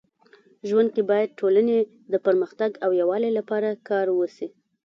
ژوند کي باید ټولني د پرمختګ او يووالي لپاره کار وسي.